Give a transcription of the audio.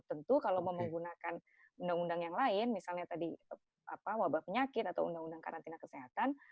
tentu kalau mau menggunakan undang undang yang lain misalnya tadi wabah penyakit atau undang undang karantina kesehatan